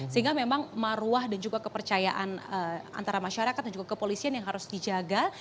sehingga memang maruah dan juga kepercayaan antara masyarakat dan juga kepolisian yang harus dijaga